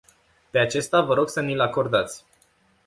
Pe acesta vă rog să ni-l acordați.